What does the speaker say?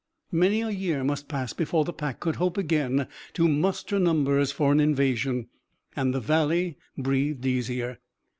Many a year must pass before the pack could hope again to muster numbers for an invasion. And the Valley breathed easier.